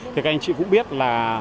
thì các anh chị cũng biết là